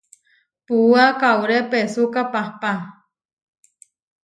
Puúa kauré peesúka pahpá.